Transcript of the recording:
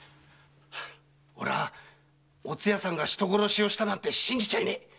俺はおつやさんが人を殺したなんて信じちゃいねえ。